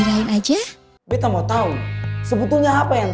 konkret dari nih kak